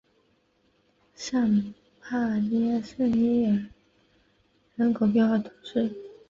尚帕涅圣伊莱尔人口变化图示